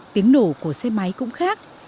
tiếng nổ của xe máy cũng khác